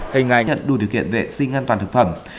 hình ái nhận đủ điều kiện vệ sinh an toàn thực phẩm